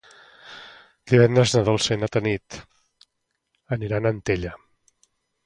Divendres na Dolça i na Tanit aniran a Antella.